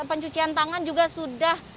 pencucian tangan juga sudah